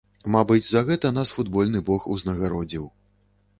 Мабыць, за гэта нас футбольны бог узнагародзіў.